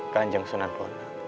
kanjeng sunan bona